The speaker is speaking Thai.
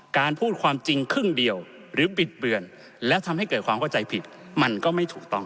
พูดความจริงครึ่งเดียวหรือบิดเบือนแล้วทำให้เกิดความเข้าใจผิดมันก็ไม่ถูกต้อง